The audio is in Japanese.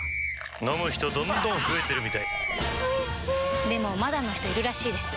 飲む人どんどん増えてるみたいおいしでもまだの人いるらしいですよ